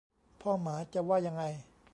พ่อหมาจะว่ายังไง